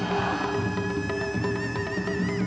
tni terhadap pahlawan tni memperoleh menyebabkan kegiatan